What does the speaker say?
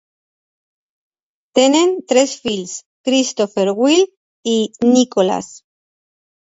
Tenen tres fills: Christopher, Will, i Nicholas.